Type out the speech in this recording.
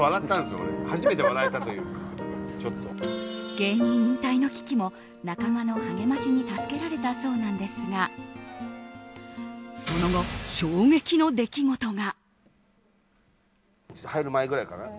芸人引退の危機も仲間の励ましに助けられたそうなんですがその後、衝撃の出来事が！